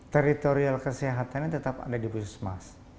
teritorial kesehatannya tetap ada di puskesmas